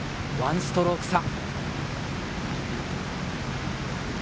１ストローク差。